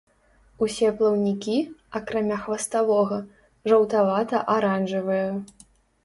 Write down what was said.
Усе плаўнікі, акрамя хваставога, жаўтавата-аранжавыя.